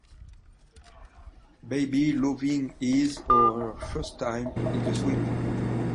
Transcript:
Baby loving his or her first time in the swing.